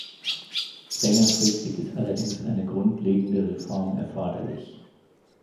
Längerfristig ist allerdings eine grundlegende Reform erforderlich.